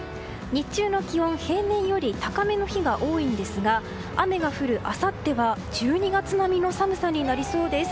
日中の気温平年より高めの日が多いんですが雨が降るあさっては１２月並みの寒さになりそうです。